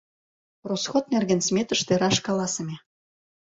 Росход нерген сметыште раш каласыме...